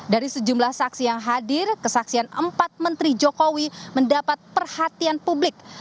dari sejumlah saksi yang hadir kesaksian empat menteri jokowi mendapat perhatian publik